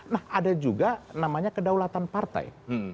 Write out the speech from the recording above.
nah ada juga namanya kedaulatan partai